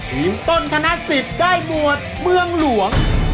ทีมต้นธนสิทธิ์ได้หมวดเมืองหลวง